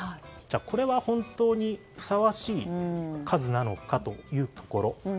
これは本当にふさわしい数なのかというところ。